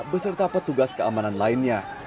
beserta petugas keamanan lainnya